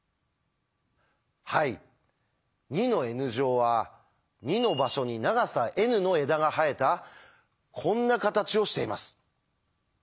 はい２のｎ乗は２の場所に長さｎの枝が生えたこんな形をしています。